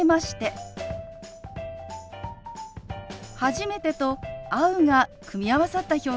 「初めて」と「会う」が組み合わさった表現です。